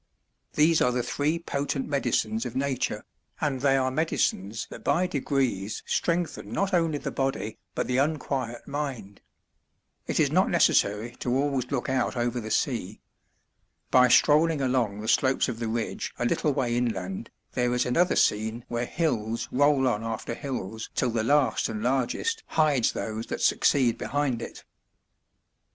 These are the three potent medicines of nature, and they are medicines that by degrees strengthen not only the body but the unquiet mind. It is not necessary to always look out over the sea. By strolling along the slopes of the ridge a little way inland there is another scene where hills roll on after hills till the last and largest hides those that succeed behind it.